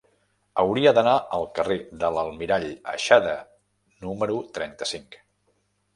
Hauria d'anar al carrer de l'Almirall Aixada número trenta-cinc.